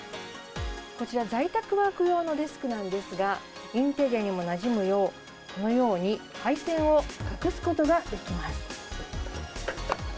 こちら、在宅ワーク用のデスクなんですが、インテリアにもなじむよう、このように配線を隠すことができます。